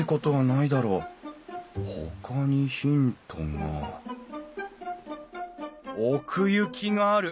ほかにヒントが奥行きがある。